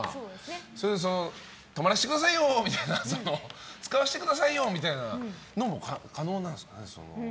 それで泊まらせてくださいよみたいな使わせてくださいよみたいなのも可能なんですか？